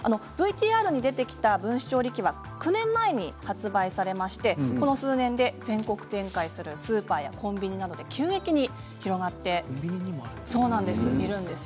ＶＴＲに出てきた分子調理器は９年前に発売されましてこの数年で全国展開するスーパーやコンビニなどで急激に広がっているそうなんです。